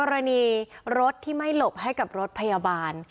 รถที่ไม่หลบให้กับรถพยาบาล